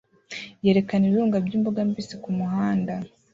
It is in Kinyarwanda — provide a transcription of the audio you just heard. yerekana ibirunga byimboga mbisi kumuhanda